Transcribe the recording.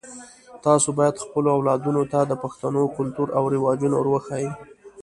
تاسو باید خپلو اولادونو ته د پښتنو کلتور او رواجونه ور وښایئ